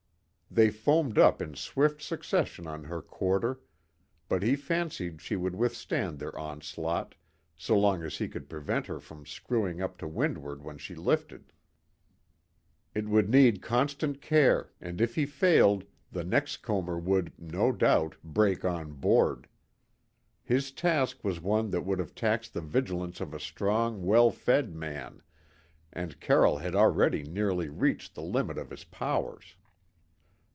They foamed up in swift succession on her quarter, but he fancied she would withstand their onslaught, so long as he could prevent her from screwing up to windward when she lifted. It would need constant care, and if he failed, the next comber would, no doubt, break on board. His task was one that would have taxed the vigilance of a strong, well fed man, and Carroll had already nearly reached the limit of his powers.